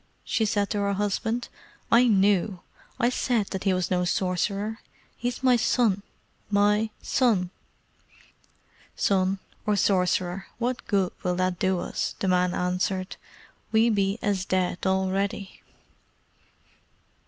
she said to her husband, "I knew I said that he was no sorcerer. He is my son my son!" "Son or sorcerer, what good will that do us?" the man answered. "We be as dead already."